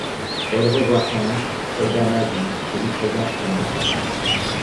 Elle revoit Hans, soldat nazi, et lui présente Anna.